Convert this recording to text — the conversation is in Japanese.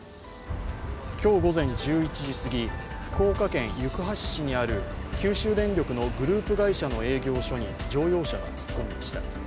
今日午前１１時すぎ、福岡県行橋市にある九州電力のグループ会社の営業所に乗用車が突っ込みました。